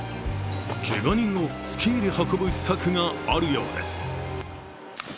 けが人をスキーで運ぶ秘策があるようです。